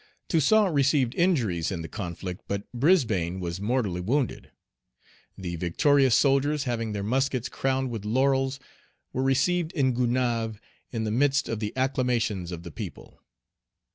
Toussaint Page 84 received injuries in the conflict, but Brisbane was mortally wounded. The victorious soldiers, having their muskets crowned with laurels, were received in Gonaïves in the midst of the acclamations of the people.